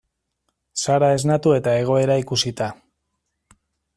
Sara esnatu eta egoera ikusita.